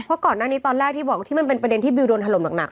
เพราะก่อนหน้านี้ตอนแรกที่บอกที่มันเป็นประเด็นที่บิวโดนถล่มหนัก